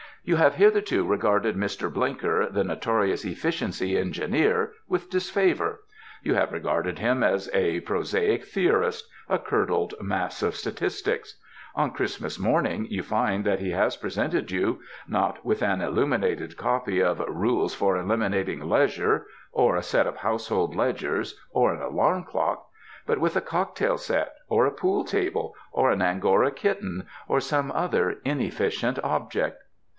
You have hitherto regarded Mr. Blinker, the notorious efficiency engineer, with disfavour. You have regarded him as a prosaic theorist, a curdled mass of statistics. On Christmas morning you find that he has presented you, not with an illuminated copy of "Rules for Eliminating Leisure," or a set of household ledgers or an alarm clock, but with a cocktail set or a pool table or an angora kitten or some other inefficient object.